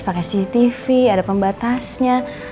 pakai cctv ada pembatasnya